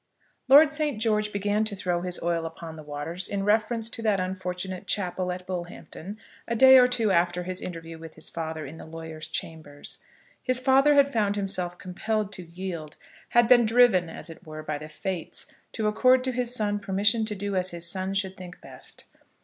Lord St. George began to throw his oil upon the waters in reference to that unfortunate chapel at Bullhampton a day or two after his interview with his father in the lawyer's chambers. His father had found himself compelled to yield; had been driven, as it were, by the Fates, to accord to his son permission to do as his son should think best.